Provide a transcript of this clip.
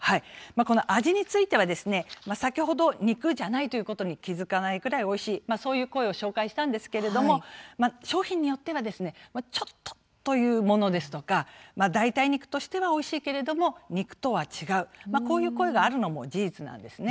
味については先ほど肉じゃないことに気付かないくらいおいしいそういう声を紹介したんですけれども商品によってはちょっとというものですとか代替肉としてはおいしいけれども肉とは違うこういう声があるのは事実なんです。